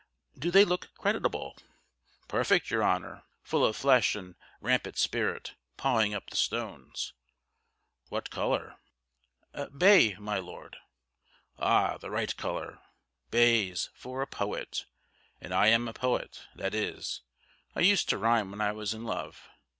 "Do they look creditable?" "Perfect, your honour! Full of flesh and rampart spirit, pawing up the stones." "What colour?" "Bay, my Lord." "Ah! the right colour, Bays, for a poet; and I am a poet: that is, I used to rhyme when I was in love.